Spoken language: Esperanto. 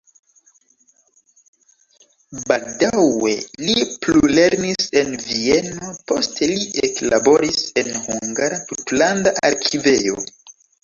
Baldaŭe li plulernis en Vieno, poste li eklaboris en "Hungara Tutlanda Arkivejo".